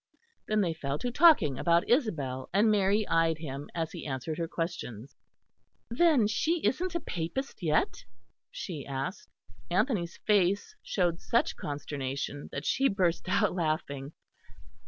Then they fell to talking about Isabel; and Mary eyed him as he answered her questions. "Then she isn't a Papist, yet?" she asked. Anthony's face showed such consternation that she burst out laughing.